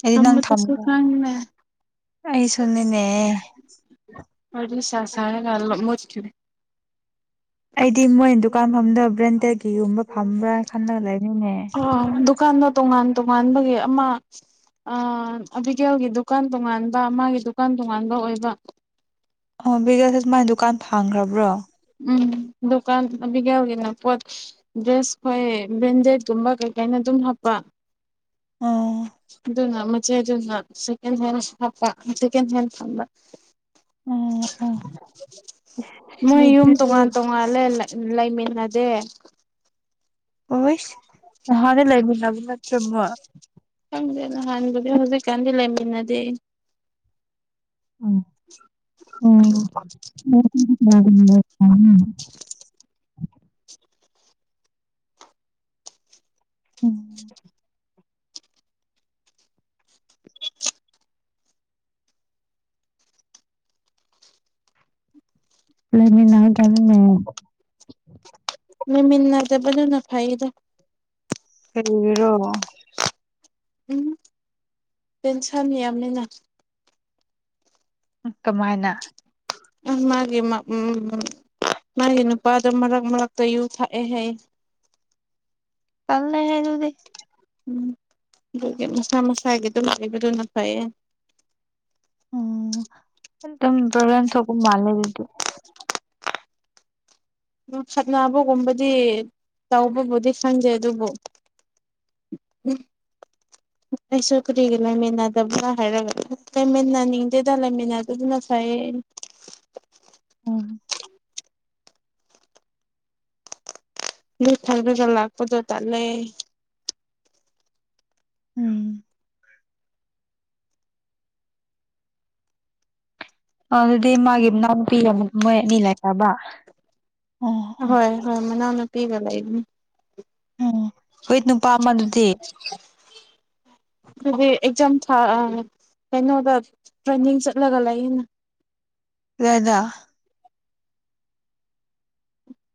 ꯍꯥꯏꯗꯤ ꯅꯪ ꯊꯝꯕꯗꯁꯨ ꯊꯝꯃꯣ ꯈꯪꯅꯦ ꯑꯩꯁꯨꯅꯤꯅꯦ꯫ ꯍꯧꯖꯤꯛ ꯅꯨꯡꯁꯥ ꯁꯥꯔꯒ [unintelligible] ꯑꯩꯗꯤ ꯃꯣꯏ ꯗꯨꯀꯥꯟ ꯐꯝꯕꯗꯣ ꯕ꯭ꯔꯦꯟꯗꯦꯒꯤꯒꯨꯝꯕ ꯐꯝꯕ꯭ꯔꯥꯅ ꯈꯜꯂꯒ ꯂꯩ꯫ ꯑꯣ ꯗꯨꯀꯥꯟꯗꯣ ꯇꯣꯉꯥꯟ ꯇꯣꯉꯥꯟꯕꯒꯤ ꯑꯃ ꯑ ꯑꯕꯤꯀꯦꯜꯒꯤ ꯗꯨꯀꯥꯟ ꯇꯣꯉꯥꯟꯕ ꯃꯥꯒꯤ ꯗꯨꯀꯥꯟ ꯇꯣꯉꯥꯟꯕ ꯑꯣꯏꯕ꯫ ꯑꯣ [unintelligible] ꯃꯥꯏ ꯗꯨꯀꯥꯟ ꯐꯥꯡꯒ꯭ꯔꯕ꯭ꯔꯣ꯫ ꯎꯝ ꯗꯨꯀꯥꯟ [unintelligible] ꯒꯤꯅ ꯄꯣꯠ꯫ ꯗ꯭ꯔꯦꯁ ꯈꯣꯏ ꯕ꯭ꯔꯦꯟꯗꯦꯠꯀꯨꯝꯕ ꯀꯩ ꯀꯩꯅꯣ ꯑꯗꯨꯝ ꯍꯥꯞꯄ꯫ ꯎꯝ꯫ ꯑꯗꯨꯅ ꯃꯆꯦ ꯗꯨꯅ ꯁꯦꯀꯦꯟ ꯍꯦꯟ ꯍꯥꯞꯄ ꯁꯦꯀꯦꯟ ꯍꯦꯟ ꯐꯝꯕ꯫ ꯑꯣ ꯑꯣ ꯃꯣꯏ ꯌꯨꯝ ꯃꯤꯗꯨꯗꯤ ꯇꯣꯡꯉꯥꯟ ꯇꯣꯉꯥꯜꯂꯦ ꯂꯩꯃꯤꯟꯅꯗꯦ꯫ ꯑꯣꯢꯁ ꯅꯍꯥꯟꯒꯩ ꯂꯩꯃꯤꯟꯅꯕ ꯅꯠꯇꯔꯕꯣ꯫ ꯈꯪꯗꯦ ꯅꯍꯥꯟꯕꯨꯗꯤ ꯍꯧꯖꯤꯛꯀꯥꯟꯗꯤ ꯂꯩꯃꯤꯟꯅꯗꯦ ꯑꯩ꯫ ꯑꯣ [unintelligible] ꯎꯝ꯫ ꯂꯩꯃꯤꯟꯅꯒꯅꯣ꯫ ꯂꯩꯃꯤꯟꯅꯗꯕꯗꯨꯅ ꯐꯩꯗ꯫ ꯀꯔꯤꯒꯤꯔꯣ꯫ ꯎꯝ ꯇꯦꯟꯁꯟ ꯌꯥꯝꯃꯦꯅ꯫ ꯀꯃꯥꯏꯅ ꯑ ꯃꯥꯒꯤ ꯃꯥ ꯎꯝ ꯃꯥꯒꯤ ꯅꯨꯄꯥꯗꯣ ꯃꯔꯛ ꯃꯔꯛꯇ ꯌꯨ ꯊꯥꯛꯑꯦ ꯍꯩꯌꯦ ꯇꯟꯂꯦꯍꯦ ꯗꯨꯗꯤ ꯎꯝ ꯑꯗꯨꯒꯤ ꯃꯁꯥ ꯃꯁꯥꯒꯤ ꯑꯗꯨꯝ ꯂꯩꯕꯗꯨꯅ ꯐꯩꯌꯦ ꯎꯝ ꯗꯨꯝ ꯄꯔꯣꯕꯂꯦꯝ ꯊꯣꯛꯄ ꯃꯥꯜꯂꯦ ꯗꯨꯗꯤ ꯈꯠꯅꯕꯒꯨꯝꯕꯗꯤ ꯇꯧꯕꯕꯨꯗꯤ ꯈꯪꯗꯦ ꯑꯗꯨꯕꯨ [unintelligible] [unintelligible] ꯑꯩꯁꯨ ꯀꯔꯤꯒꯤ ꯂꯩꯥꯏꯃꯤꯟꯅꯗꯕꯔꯥ ꯍꯥꯏꯔꯒ ꯂꯩꯃꯤꯟꯅꯅꯤꯡꯗꯦꯗ ꯂꯩꯃꯤꯟꯅꯗꯗꯨꯅ ꯐꯩ ꯎꯝ ꯌꯨ ꯊꯛꯔꯒ ꯂꯥꯛꯄꯗꯣ ꯇꯜꯂꯦ ꯎꯝ ꯑꯗꯨꯗꯤ ꯃꯥꯒꯤ ꯃꯅꯥꯎꯅꯨꯄꯤ ꯃꯣꯏ ꯑꯅꯤ ꯂꯩꯈꯔꯕꯔꯥ ꯍꯣꯏ ꯍꯣꯏ ꯃꯅꯥꯎꯅꯨꯄꯤꯒ ꯂꯩꯕꯅꯤ ꯎꯝ ꯍꯨꯏꯠ ꯅꯨꯄꯥ ꯑꯃꯗꯨꯗꯤ ꯑꯗꯨꯗꯤ ꯑꯦꯛꯖꯝ ꯑꯥ ꯀꯩꯅꯣꯗ ꯇ꯭ꯔꯦꯟꯅꯤꯡ ꯆꯠꯂꯒ ꯂꯩꯌꯦꯅ ꯀꯗꯥꯏꯗ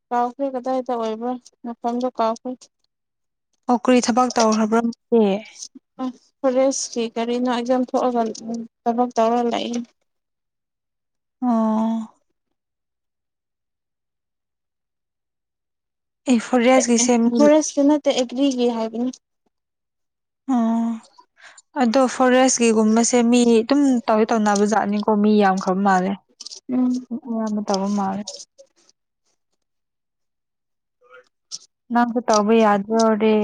ꯀꯥꯎꯈ꯭ꯔꯦ ꯀꯗꯥꯏꯗ ꯑꯣꯏꯕ꯭ꯔꯥ ꯃꯐꯝꯗꯣ ꯀꯥꯎꯈ꯭ꯔꯦ ꯑꯣ ꯀꯔꯤ ꯊꯕꯛ ꯇꯧꯈ꯭ꯔꯕ꯭ꯔꯣ ꯃꯥꯗꯤ ꯐꯣꯔꯦꯁꯀꯤ ꯀꯔꯤꯅꯣ ꯑꯦꯛꯖꯝ ꯊꯣꯛꯑꯒ ꯊꯕꯛ ꯇꯧꯔ ꯂꯩꯌꯦ ꯑꯣ ꯑꯦ ꯑꯦ ꯐꯣꯔꯦꯁꯀꯤꯁꯦ ꯐꯣꯔꯦꯁꯀꯤ ꯅꯠꯇꯦ ꯑꯦꯒ꯭ꯔꯤꯒꯤ ꯍꯥꯏꯕꯅꯦ ꯑꯣ ꯑꯗꯣ ꯐꯣꯔꯦꯁꯒꯤꯒꯨꯝꯕꯁꯤ ꯁꯦ ꯃꯤ ꯑꯗꯨꯝ ꯇꯧꯗꯤ ꯇꯧꯅꯕꯖꯥꯠꯅꯤꯀꯣ ꯃꯤ ꯌꯥꯝꯈ꯭ꯔꯕ ꯃꯥꯜꯂꯦ ꯎꯝ ꯑꯌꯥꯝꯕ ꯇꯧꯕ ꯃꯥꯜꯂꯦ ꯅꯁꯨ ꯇꯧꯕ ꯌꯥꯗꯔꯣ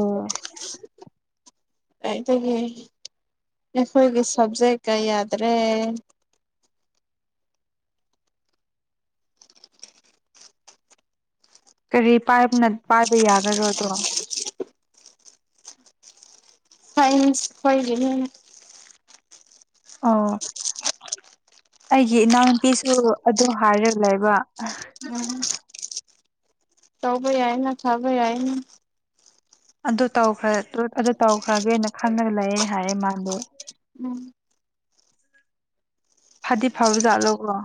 ꯀꯥꯏꯗꯒꯤ ꯑꯩꯈꯣꯏꯒꯤ ꯁꯕꯖꯦꯛꯀ ꯌꯥꯗ꯭ꯔꯦ ꯀꯔꯤ ꯄꯥꯏꯕꯅ ꯄꯥꯏꯅ ꯌꯥꯒꯔꯣ ꯗꯨ ꯁꯥꯏꯁꯟ ꯍꯣꯏꯒꯤꯅꯦ ꯑꯥꯎ ꯑꯩꯒꯤ ꯏꯅꯥꯎ ꯅꯨꯨꯄꯤꯁꯨ ꯑꯗꯨ ꯍꯥꯏꯔ ꯂꯩꯕ ꯎꯝ ꯇꯧꯕ ꯌꯥꯏꯅ ꯊꯥꯕ ꯌꯥꯏ ꯑꯗꯨ ꯇꯧꯈ꯭ꯔ ꯑꯗꯨ ꯇꯧꯈ꯭ꯔꯒꯦꯅ ꯈꯪꯉꯒ ꯂꯩꯌꯦ ꯍꯥꯏꯌꯦ ꯃꯥꯗꯤ ꯎꯝ ꯐꯗꯤ ꯐꯕ ꯖꯥꯠꯂꯣꯀꯣ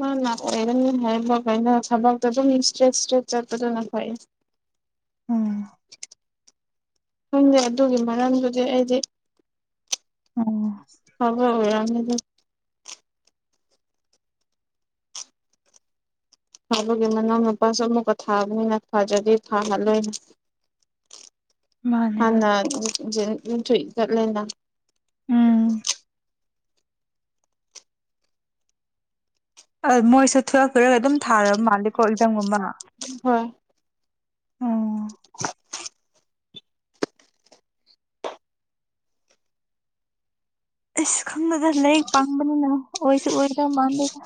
ꯃꯥꯅ ꯑꯣꯏꯔꯅꯤ ꯍꯥꯏꯕ ꯀꯩꯅ ꯊꯕꯛꯇꯣ ꯑꯗꯨꯝ ꯏꯁꯇ꯭ꯔꯦꯠ ꯏꯁꯇ꯭ꯔꯦꯠ ꯆꯠꯄꯗꯨꯅ ꯐꯌꯦ ꯎꯝ ꯈꯪꯗꯦ ꯑꯗꯨꯒꯤ ꯃꯔꯝꯗꯨꯗꯤ ꯑꯩꯗꯤ ꯎꯝ [unintelligible] ꯊꯥꯕꯒꯤ ꯃꯅꯥꯎ ꯅꯨꯄꯥꯁꯨ ꯑꯃꯨꯛꯀ ꯊꯥꯕꯅꯤꯅ ꯊꯥꯗꯔꯗꯤ ꯊꯥꯍꯜꯂꯣꯏꯅ ꯃꯥꯅꯦ ꯍꯣꯏ ꯍꯥꯟꯅ [unintelligible] ꯎꯝ ꯃꯣꯏꯁꯨ ꯇꯨꯋꯦꯜꯞ ꯂꯣꯏꯔꯒ ꯑꯗꯨꯝ ꯊꯥꯔꯕ ꯃꯥꯜꯂꯦꯀꯣ ꯑꯦꯛꯖꯥꯝꯒꯨꯝꯕ ꯍꯣꯏ ꯑꯣ ꯏꯁ ꯈꯪꯗꯦꯗ ꯂꯥꯏꯔꯤꯛ ꯄꯪꯕꯅꯤꯅ ꯑꯣꯏꯁꯨ ꯑꯣꯏꯗꯧ ꯃꯥꯟꯗꯦꯗ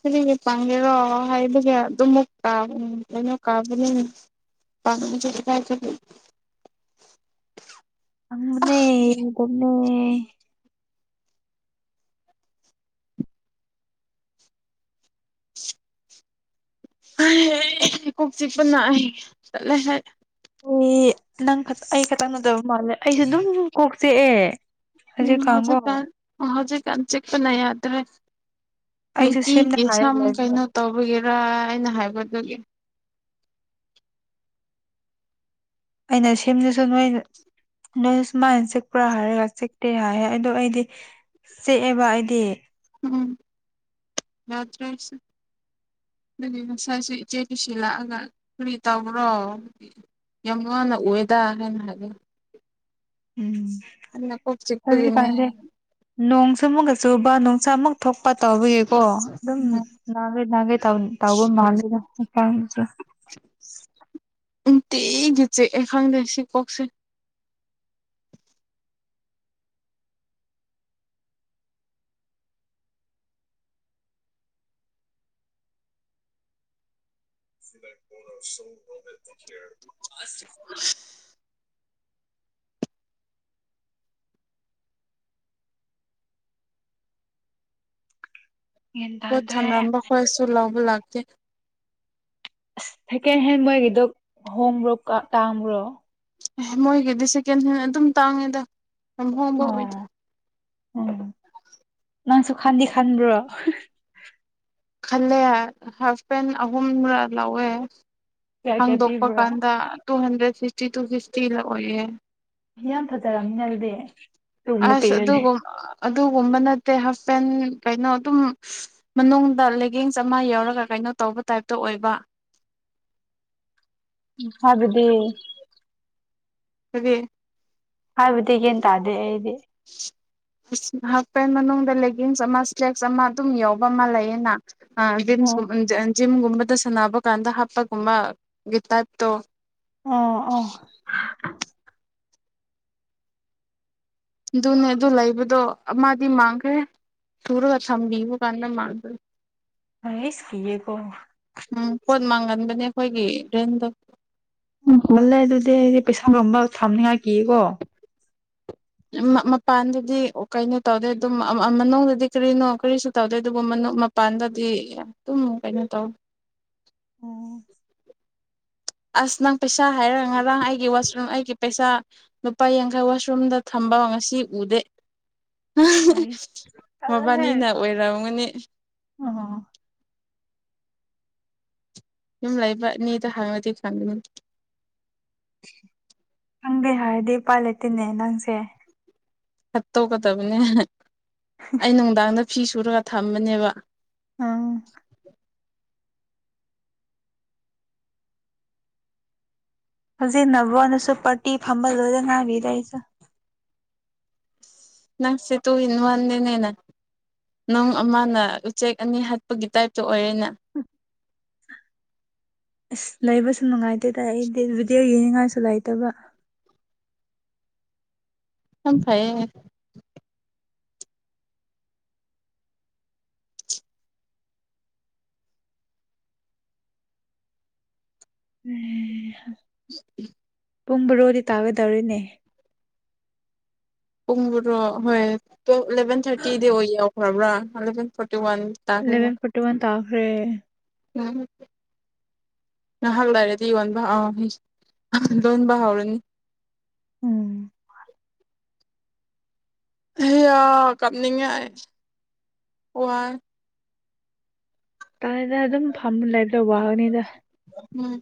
ꯀꯔꯤꯒꯤ ꯄꯪꯒꯦꯔꯣ ꯍꯥꯏꯕꯒꯤ ꯑꯗꯨꯃꯨꯛ ꯇꯥꯕꯅꯤ ꯀꯩꯅꯣ ꯀꯥꯕꯅꯤꯅꯦ [unintelligible] ꯄꯪꯕꯅꯦ [unintelligible] ꯅꯦ [unintelligible] ꯀꯣꯛ ꯆꯤꯛꯄꯅ ꯑꯩ ꯇꯠꯂꯦ ꯑꯩ ꯑꯣꯃꯤ ꯅꯪ ꯈꯠ ꯑꯩ ꯈꯠꯇꯪ ꯅꯠꯇꯕ ꯃꯥꯜꯂꯦ ꯑꯩꯁꯨ ꯗꯨꯝ ꯀꯣꯛꯆꯦꯛꯑꯦ ꯎꯝ ꯍꯧꯖꯤꯛꯀꯥꯟ ꯍꯧꯖꯤꯛꯀꯥꯟ ꯆꯤꯛꯄꯅ ꯌꯥꯗ꯭ꯔꯦ ꯑꯩꯁꯨ ꯁꯦꯝꯅ ꯅꯨꯡꯇꯤꯗꯤ ꯁꯝ ꯍꯥꯏꯔꯒ ꯂꯩꯕꯅꯦ ꯀꯩꯅꯣ ꯇꯧꯕꯒꯦꯔꯥ ꯑꯩꯅ ꯍꯥꯏꯕꯗꯨꯒꯤ ꯑꯩꯅ ꯁꯦꯝꯗꯨꯁꯨ ꯅꯣꯏ [unintelligible] ꯅꯣꯏꯁꯨ ꯁꯨꯃꯥꯏꯅ ꯆꯤꯛꯄ꯭ꯔꯥ ꯍꯥꯏꯔꯒ ꯆꯤꯛꯇꯦ ꯍꯥꯏꯌꯦ ꯑꯗꯣ ꯑꯩꯗꯤ ꯆꯤꯛꯑꯦꯕ ꯑꯩꯗꯤ ꯎꯝ ꯌꯥꯗ꯭ꯔꯦ ꯑꯩꯁꯨ ꯑꯗꯨꯗꯤ ꯉꯁꯥꯏꯁꯨ ꯏꯆꯦ ꯂꯨꯁꯤ ꯂꯥꯛꯑꯒ ꯀꯔꯤ ꯇꯧꯕ꯭ꯔꯣ [unintelligible] ꯌꯥꯝ ꯋꯥꯅ ꯎꯋꯦꯗ ꯍꯥꯏꯅ ꯍꯥꯏ [unintelligible] ꯎꯝ ꯑꯟꯅ ꯀꯣꯛ ꯆꯤꯛꯄꯒꯤꯅꯦ ꯅꯣꯡꯁꯨꯨ ꯑꯃꯨꯛꯒ ꯆꯨꯕ ꯅꯨꯡꯁꯥ ꯑꯃꯨꯛ ꯊꯣꯛꯄ ꯇꯧꯕꯒꯤ ꯀꯣ ꯑꯗꯨꯝ ꯎꯝ ꯅꯥꯒꯦ ꯅꯥꯒꯦ ꯇꯧ ꯇꯧꯕ ꯃꯜꯂꯦꯗ ꯍꯛꯆꯥꯡꯗꯨꯁꯨ ꯅꯨꯡꯇꯤꯒꯤ ꯆꯤꯛꯑꯦ ꯈꯪꯗꯦ ꯁꯤ ꯀꯣꯛꯁꯦ [unintelligible] ꯒ꯭ꯌꯥꯟ ꯄꯣꯠ ꯇꯥꯗꯦ ꯊꯝꯔꯝꯕ ꯈꯣꯏꯁꯨ ꯂꯧꯕ ꯂꯥꯛꯇꯦ ꯁꯥꯀꯦꯟ ꯍꯦꯟ ꯃꯣꯏꯒꯤꯗꯣ ꯍꯣꯡꯕ꯭ꯔꯣ ꯀꯥ ꯇꯥꯡꯕ꯭ꯔꯣ? ꯑꯦꯍꯦ ꯃꯣꯏꯒꯤꯗꯤ ꯁꯦꯀꯦꯟ ꯍꯦꯟ ꯑꯗꯨꯝ ꯇꯥꯡꯉꯦꯗ ꯌꯥꯝ ꯍꯣꯡꯕ ꯑꯣꯏꯗꯦ [unintelligible] ꯅꯪꯁꯨ ꯈꯥꯟꯗꯤ ꯈꯟꯕ꯭ꯔꯣ? [unintelligible] ꯈꯜꯂꯦ [unintelligible] ꯍꯥꯐꯄꯦꯟ ꯑꯍꯨꯝꯔ ꯂꯧꯋꯦ ꯀꯌꯥ ꯀꯌꯥ ꯍꯥꯡꯗꯣꯛꯄ ꯄꯤꯕ꯭ꯔꯣ ꯀꯥꯟꯗ two hundred fifty two fifty ꯂꯥ ꯑꯣꯏꯌꯦ ꯌꯥꯝ ꯐꯖꯔꯝꯅꯤꯅꯦ ꯑꯗꯨꯗꯤ ꯇꯨꯝꯕ ꯑꯁ ꯄꯤꯔꯗꯤ ꯑꯗꯨꯒꯨꯝ ꯑꯗꯨꯒꯨꯝꯕ ꯅꯠꯇꯦ ꯍꯥꯞꯄꯦꯟ ꯀꯩꯅꯣ ꯑꯗꯨꯝ [unintelligible] ꯃꯅꯨꯡꯗ ꯂꯦꯒꯤꯡꯁ ꯑꯃ ꯌꯥꯎꯔꯒ ꯀꯩꯅꯣ ꯇꯧꯕ ꯇꯥꯏꯞꯇ ꯑꯣꯏꯕ ꯏꯝꯐꯜꯗꯗꯤ [unintelligible] ꯍꯥꯏꯕꯗꯤ ꯒ꯭ꯌꯥꯟ ꯇꯥꯗꯦ ꯑꯩꯗꯤ [unintelligible] ꯍꯥꯐꯄꯟ ꯃꯅꯨꯡꯗ ꯂꯦꯒꯤꯡꯁ ꯑꯃ ꯁ꯭ꯂꯦꯛꯁ ꯑꯃ ꯑꯗꯨꯝ ꯌꯥꯎꯕ ꯑꯃ ꯂꯩꯌꯦꯅ ꯑꯥ ꯖꯤꯝꯁ ꯑꯣ ꯒꯨꯝ [unintelligible] ꯖꯤꯝꯒꯨꯝꯕꯗ ꯁꯟꯕ ꯀꯥꯟꯗ ꯍꯥꯞꯄꯒꯨꯝꯕ ꯒꯤꯠ ꯇꯥꯏꯠꯇꯣ ꯑꯣ ꯑꯣ ꯑꯗꯨꯅꯦ ꯑꯗꯨ ꯂꯩꯕꯗꯣ ꯑꯃꯥꯗꯤ ꯃꯥꯡꯈ꯭ꯔꯦ ꯊꯨꯔꯒ ꯊꯝꯕꯤꯕ ꯀꯥꯟꯅ ꯃꯥꯈ꯭ꯔꯦ ꯍꯥꯏꯁ ꯀꯤꯌꯦꯀꯣ ꯎꯝ ꯄꯣꯠ ꯃꯥꯡꯒꯟꯕꯅꯦ ꯑꯈꯣꯏꯒꯤ ꯔꯦꯟꯗꯣ ꯎꯝ ꯃꯨꯜꯂꯦ ꯑꯗꯨꯗꯤ ꯑꯩꯗꯤ ꯄꯩꯁꯥꯒꯨꯝꯕ ꯊꯝꯅꯤꯉꯥꯏ ꯀꯤꯌꯦꯀꯣ [unintelligible] ꯃꯄꯥꯟꯗꯗꯤ ꯑꯣ ꯀꯩꯅꯣ ꯇꯧꯗꯦ ꯑꯗꯨꯝ ꯑꯝ ꯑꯝ ꯃꯅꯨꯡꯗꯗꯤ ꯀꯔꯤꯅꯣ ꯀꯔꯤꯁꯨ ꯇꯧꯗꯦ ꯑꯗꯨꯕꯨ ꯃꯅꯨꯡ ꯃꯥꯞ ꯄꯥꯟꯗꯗꯤ ꯑꯗꯨꯝ ꯀꯩꯅꯣ ꯇꯧ ꯎꯝ ꯑꯁ ꯅꯪ ꯄꯩꯁꯥ ꯍꯥꯏꯔꯒ ꯉꯔꯥꯡ ꯑꯩꯒꯤ ꯋꯥꯁꯔꯨꯝ ꯑꯩꯒꯤ ꯄꯩꯁꯥ ꯂꯨꯄꯥ ꯌꯥꯡꯈꯩ ꯋꯥꯁꯔꯨꯝꯗ ꯊꯝꯕ ꯉꯁꯤ ꯎꯗꯦ ꯄꯩ ꯃꯕꯥꯟꯅꯤꯅ ꯑꯣꯏꯔꯝꯒꯅꯤ ꯑꯣ ꯌꯨꯝ ꯂꯩꯕ ꯑꯅꯤꯗꯣ ꯍꯥꯡꯉꯗꯤ ꯐꯪꯒꯅꯤ ꯈꯪꯗꯦ ꯍꯥꯏꯔꯗꯤ ꯎꯄꯥꯥꯏ ꯂꯩꯇꯦꯅꯦ ꯅꯪꯁꯦ ꯍꯥꯠꯇꯣꯛꯒꯗꯕꯅꯦ ꯑꯩ ꯅꯨꯡꯗꯥꯡꯗ ꯐꯤ ꯁꯨꯔꯒ ꯊꯝꯕꯅꯦꯕ ꯑ ꯍꯧꯖꯤꯛ ꯅꯕꯣꯟꯅꯁꯨ ꯄꯥꯔꯇꯤ ꯐꯝꯕ ꯂꯣꯏꯔ ꯉꯥꯏꯔꯤꯗ ꯑꯩꯁꯨ ꯅꯪꯁꯤ ꯇꯨ ꯏꯟꯋꯥꯟꯅꯦꯅ ꯅꯪ ꯑꯃꯅ ꯎꯆꯦꯛ ꯑꯅꯤ ꯍꯥꯠꯄꯒꯤ ꯇꯥꯏꯞꯇ ꯑꯣꯏꯔꯦꯅ ꯑꯁ ꯂꯩꯕꯁꯨ ꯅꯨꯡꯉꯥꯏꯇꯦꯗ ꯑꯩꯗꯤ ꯚꯤꯗꯤꯑꯣ ꯌꯦꯡꯅꯤꯡꯉꯥꯏꯁꯨ ꯂꯩꯇꯕ ꯌꯥꯝ ꯐꯌꯦ [unintelligible] [unintelligible] ꯄꯨꯡ ꯕꯔꯣꯗꯤ ꯇꯥꯒꯗꯧꯔꯤꯅꯦ ꯄꯨꯡ ꯕꯔꯣ ꯍꯣꯏ ꯇꯨ ꯑꯦꯂꯚꯦꯟ ꯊꯥꯔꯇꯤꯗꯤ ꯑꯣꯏ ꯌꯥꯎꯈ꯭ꯔꯕ꯭ꯔꯥ eleven forty one eleven forty one ꯇꯥꯈ꯭ꯔꯦ [unintelligible] ꯉꯍꯥꯛ ꯂꯩꯔꯗꯤ [unintelligible] ꯂꯣꯟꯕ ꯍꯥꯎꯔꯅꯤ ꯎꯝ ꯍꯌꯥ ꯀꯞꯅꯤꯡꯉꯦ ꯑꯩ ꯋꯥꯑꯌꯦ ꯇꯥꯏꯗ ꯑꯗꯨꯝ ꯐꯝ ꯂꯥꯏꯕꯇ ꯋꯥꯒꯅꯤꯗ ꯎꯝ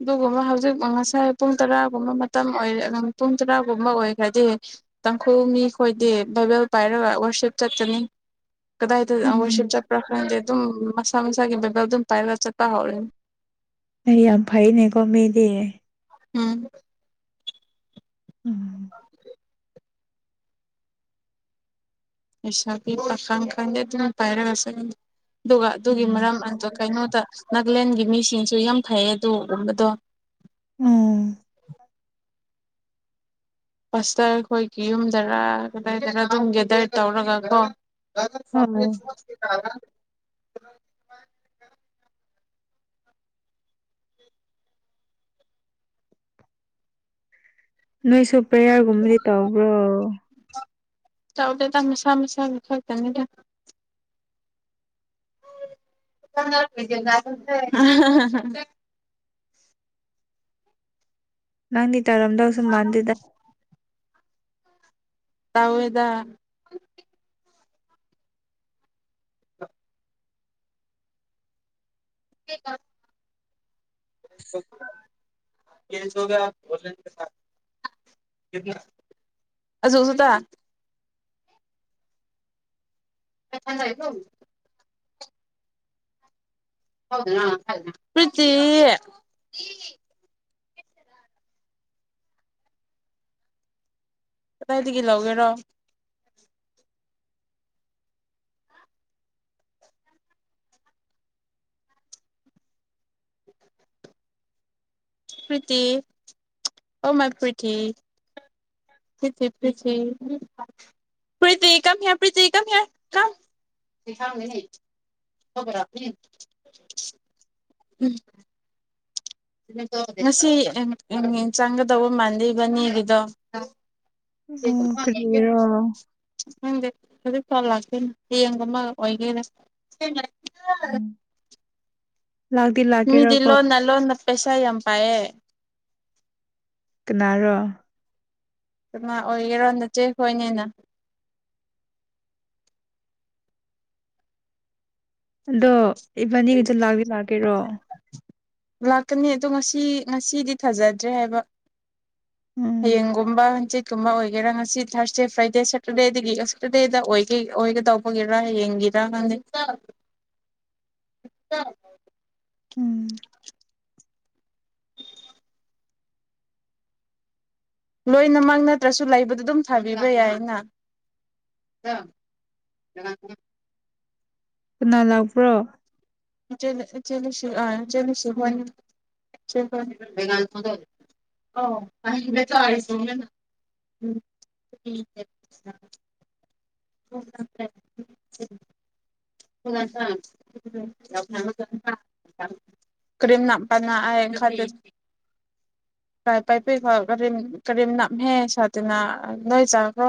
ꯑꯗꯨꯒꯨꯝꯕ ꯍꯧꯖꯤꯛ ꯉꯁꯥꯏ ꯄꯨꯡ ꯇꯔꯥꯒꯨꯝꯕ ꯃꯇꯝ ꯑꯣꯏꯔ ꯄꯨꯡ ꯇꯔꯥꯒꯨꯝꯕ ꯑꯣꯏꯈ꯭ꯔꯗꯤ ꯇꯥꯡꯈꯨꯜ ꯃꯤ ꯈꯣꯏꯗꯤ ꯕꯥꯏꯕꯦꯜ ꯄꯥꯏꯔꯒ ꯋꯥꯔꯁꯤꯞ ꯆꯠꯀꯅꯤ ꯀꯗꯥꯏꯗ ꯎꯝ ꯋꯔꯁꯤꯞ ꯆꯠꯄ꯭ꯔꯥ ꯈꯪꯗꯦ ꯑꯗꯨꯝ ꯃꯁꯥ ꯃꯁꯥꯒꯤ ꯕꯥꯏꯕꯜ ꯑꯗꯨꯝ ꯄꯥꯏꯔꯒ ꯆꯠꯄ ꯍꯧꯔꯅꯤ ꯑꯩ ꯌꯥꯝ ꯐꯩꯅꯦꯀꯣ ꯃꯤꯗꯤ ꯎꯝ ꯎꯝ ꯂꯩꯁꯥꯕꯤ ꯄꯛꯈꯪ ꯈꯪꯗꯦ ꯑꯗꯨꯝ ꯄꯥꯏꯔꯒ ꯑꯗꯨꯒ ꯑꯗꯨꯒꯤ ꯃꯔꯝ ꯑꯇꯨ ꯀꯩꯅꯣꯗ ꯅꯥꯒꯂꯦꯟꯒꯤ ꯃꯤꯁꯤꯡꯁꯨ ꯌꯥꯝ ꯐꯩꯌꯦ ꯑꯗꯨꯒꯨꯝꯕꯗꯣ ꯎꯝ ꯄꯁꯇꯔ ꯑꯩꯈꯣꯏꯒꯤ ꯌꯨꯝꯗꯔ ꯀꯗꯥꯏꯗꯔꯥ ꯑꯗꯨꯝ ꯒꯦꯗꯔ ꯇꯧꯔꯒ ꯀꯣ ꯑꯣ [unintelligible] ꯅꯣꯏꯁꯨ ꯄ꯭ꯔꯦꯌꯥꯔꯒꯨꯝꯕꯗꯤ ꯇꯧꯕ꯭ꯔꯣ ꯇꯥꯎꯗꯦꯗ ꯃꯁꯥ ꯃꯁꯥ ꯈꯛꯇꯅꯦꯗ [unintelligible] [unintelligible] ꯅꯪꯗꯤ ꯇꯧꯔꯝꯗꯧꯁꯨ ꯃꯥꯟꯗꯦꯗ ꯇꯧꯋꯦꯗ [unintelligible] [unintelligible] [unintelligible] [unintelligible] [unintelligible] ꯀꯗꯥꯏꯗꯒꯤ ꯂꯧꯒꯦꯔꯣ ꯄ꯭ꯔꯤꯇꯤ ꯑꯣ ꯃꯥꯏ ꯄ꯭ꯔꯤꯇꯤ [unintelligible] [unintelligible] [unintelligible] [unintelligible] ꯎꯝ ꯉꯁꯤ [unintelligible] ꯆꯪꯒꯗꯧꯕ ꯃꯥꯟꯗꯦ ꯏꯕꯥꯟꯅꯤꯒꯤꯗꯣ ꯎꯝ ꯀꯔꯤꯔꯣ ꯅꯪꯗꯤ ꯍꯧꯖꯤꯛ ꯐꯥꯎ ꯂꯥꯛꯇꯣꯏꯅꯦ ꯍꯌꯦꯡ ꯒꯨꯝꯕ ꯑꯣꯏꯒꯦꯔ ꯎꯝ ꯂꯥꯛꯇꯤ ꯂꯥꯛ ꯃꯤꯗꯤ ꯂꯣꯟꯅ ꯂꯣꯟꯅ ꯄꯩꯁꯥ ꯌꯥꯝ ꯄꯥꯏꯌ‌ꯦ ꯀꯅꯥꯔꯣ ꯀꯅꯥ ꯑꯣꯏꯒꯦꯔꯣ ꯅꯆ‌ꯦꯈꯣꯏꯅꯦꯅ ꯑꯗꯣ ꯏꯕꯥꯟꯅꯤꯗꯨ ꯂꯥꯛꯗꯤ ꯂꯥꯛꯀꯦꯔꯣ ꯂꯥꯛꯀꯅꯤ ꯑꯗꯣ ꯉꯁꯤ ꯉꯁꯤꯗꯤ ꯊꯥꯖꯗ꯭ꯔꯦ ꯍꯥꯏꯕ ꯎꯝ ꯍꯌꯦꯡꯒꯨꯝꯕ ꯍꯟꯆꯤꯠꯀꯨꯝꯕ ꯑꯣꯏꯒꯦꯔꯥ ꯉꯁꯤ ꯊꯥꯔꯁꯗꯦ ꯐ꯭ꯔꯥꯏꯗꯦ ꯁꯦꯇꯔꯗꯦꯗꯒꯤ ꯁꯦꯇꯔꯗꯦꯗ ꯑꯣꯏꯒ‌ꯦ ꯑꯣꯏꯒꯗꯧ [unintelligible] ꯍꯌꯦꯡꯒꯤꯔ ꯈꯪꯗꯦ [inaudible] [unintelligible] ꯎꯝ ꯂꯣꯏꯅꯃꯛ ꯅꯠꯇ꯭ꯔꯁꯨ ꯂꯩꯕꯗ ꯑꯗꯨꯝ ꯊꯥꯕꯤꯕ ꯌꯥꯏꯅ [unintelligible] ꯀꯅꯥ ꯂꯥꯛꯄ꯭ꯔꯣ [unintelligible] [unintelligible] ꯎꯝ [unintelligible] [unintelligible] [unintelligible] [unintelligible]